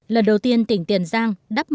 lần đầu tiên tỉnh tiền giang đắp